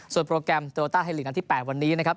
ส่วนโปรแกรมโตราไทยฤทธิ์อันที่๘วันนี้นะครับ